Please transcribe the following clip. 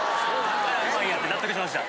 うまいやんって納得しました。